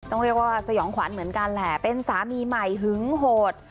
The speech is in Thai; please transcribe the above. ต้องเรียกว่าสยองขวัญเหมือนกันแหละเป็นสามีใหม่หึงโหด